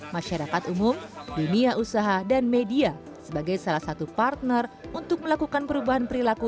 masyarakat umum dunia usaha dan media sebagai salah satu partner untuk melakukan perubahan perilaku